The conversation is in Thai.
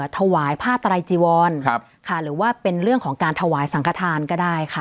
ถวายผ้าไตรจีวรหรือว่าเป็นเรื่องของการถวายสังขทานก็ได้ค่ะ